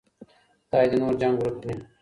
خداي دې نور جنګ ورک کړي.